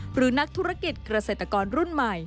หรือนักธุรกิจเกษตรกรรุ่นใหม่